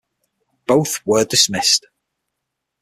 Both were dismissed.